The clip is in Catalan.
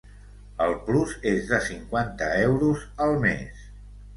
El plus és de cinquanta euros al mes.